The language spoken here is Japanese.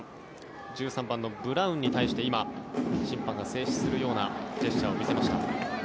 １３番のブラウンに対して審判が制止するようなジェスチャーを見せました。